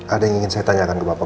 ada yang ingin saya tanyakan ke bapak